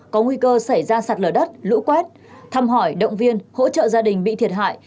có nguy cơ xảy ra sạt lở đất lũ quét thăm hỏi động viên hỗ trợ gia đình bị thiệt hại